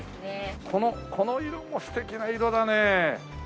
このこの色も素敵な色だね。